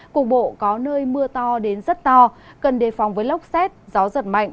cục bộ có nơi mưa to đến rất to cần đề phòng với lốc xét gió giật mạnh